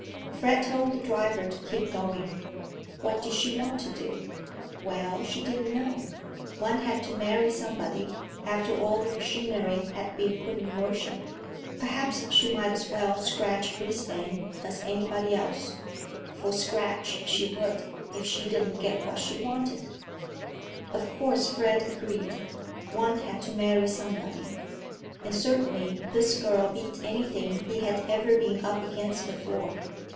Fred told the driver to keep going. What did she want to do? Well, she didn't know. One had to marry somebody, after all the machinery had been put in motion. Perhaps she might as well scratch Brisbane as anybody else; for scratch she would, if she didn't get what she wanted. Of course, Fred agreed, one had to marry somebody. And certainly this girl beat anything he had ever been up against before.